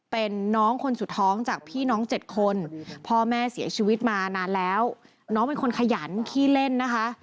เป็นน้องคนสุดท้องจากพี่น้อง๗คนพ่อแม่เสียชีวิตมานานแล้วน้องเป็นคนขยันขี้เล่นนะคะ